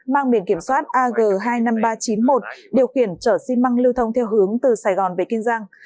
mang biển kiểm soát ag hai mươi năm nghìn ba trăm chín mươi một điều khiển trở xin măng lưu thông theo hướng từ sài gòn về kinh giang